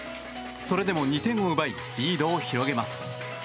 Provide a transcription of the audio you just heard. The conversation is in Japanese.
それでも２点を奪いリードを広げます。